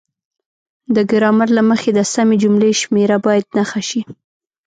د ګرامر له مخې د سمې جملې شمیره باید نښه شي.